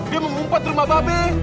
dia mengumpet rumah babi